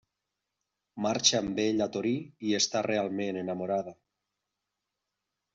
Marxa amb ell a Torí i està realment enamorada.